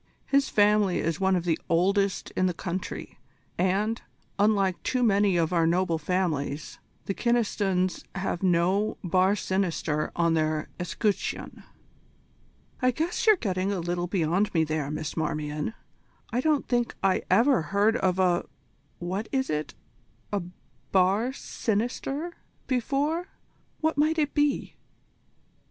His family is one of the oldest in the country, and, unlike too many of our noble families, the Kynestons have no bar sinister on their escutcheon." "I guess you're getting a little beyond me there, Miss Marmion. I don't think I ever heard of a what is it? a bar sinister, before. What might it be?"